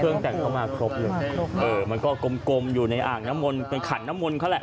เครื่องแต่งเข้ามาครบเมื่อกลมอยู่ในอ่างน้ำมนเป็นขันน้ำมนเขาแหละ